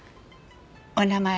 お名前